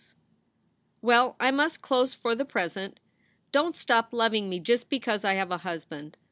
9 6 SOULS FOR SALE Well I must close for the present. Dont stop loveing me just because I have a husband.